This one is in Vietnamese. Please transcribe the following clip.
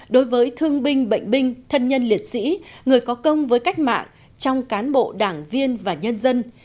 đối với thương binh bệnh binh thân nhân liệt sĩ người có công với cách mạng trong cán bộ đảng viên và nhân dân